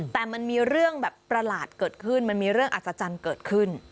แต่มันมีเรื่องแบบประหลาดเกิดขึ้นมันมีเรื่องอัศจรรย์เกิดขึ้น